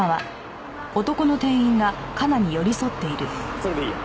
それでいいよ。